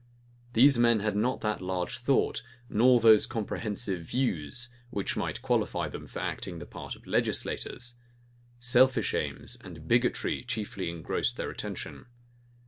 These men had not that large thought, nor those comprehensive views, which might qualify them for acting the part of legislators: selfish aims and bigotry chiefly engrossed their attention.